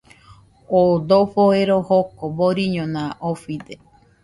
Oo dofo ero joko boriñona ofide.